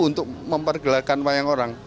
untuk mempergelakan wayang orang